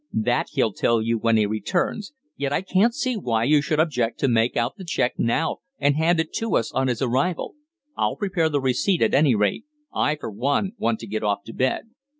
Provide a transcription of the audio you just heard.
"That he'll tell you when he returns. Yet I can't see why you should object to make out the cheque now, and hand it to us on his arrival. I'll prepare the receipt, at any rate. I, for one, want to get off to bed."